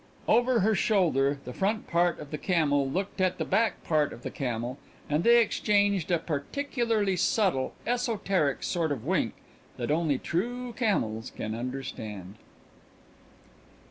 Over her shoulder the front part of the camel looked at the back part of the camel and they exchanged a particularly subtle, esoteric sort of wink that only true camels can understand.